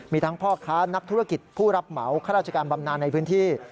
มีทั้งพ่อค้านักธุรกิจผู้รับเหมาข้าราชการบำนานในพื้นที่